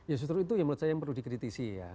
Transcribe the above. ya sesudah itu menurut saya yang perlu dikritisi ya